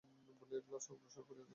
– বলিয়া গ্লাস অগ্রসর করিয়া দিল।